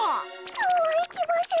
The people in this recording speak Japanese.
そうはいきません。